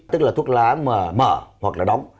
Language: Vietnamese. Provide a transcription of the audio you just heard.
tức là thuốc lá mà mở hoặc là đóng